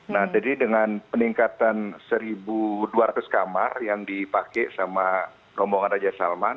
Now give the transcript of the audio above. nah jadi dengan peningkatan satu dua ratus kamar yang dipakai sama rombongan raja salman